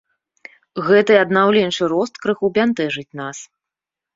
Гэты аднаўленчы рост крыху бянтэжыць нас.